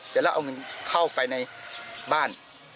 แล้วเอาเงินเข้าไปในบ้าน